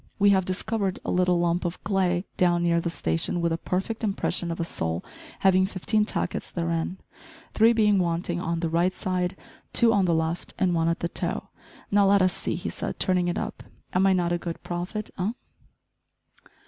We have discovered a little lump of clay down near the station, with a perfect impression of a sole having fifteen tackets therein, three being wanting on the right, side, two on the left, and one at the toe now, let us see," he said, turning it up, "am I not a good prophet eh?"